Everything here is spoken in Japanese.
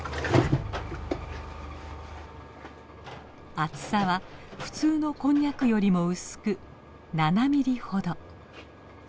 厚さは普通のこんにゃくよりも薄く７ミリほど。